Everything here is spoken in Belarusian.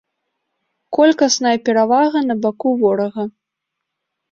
Колькасная перавага на баку ворага.